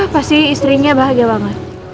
pasti istrinya bahagia banget